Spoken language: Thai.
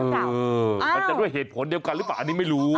อ้าวอันนี้ไม่รู้มันจะด้วยเหตุผลเดียวกันหรือเปล่า